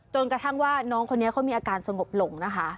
จนกระทั่งว่าน้องคนนี้เขามีอาการสงบลงนะคะ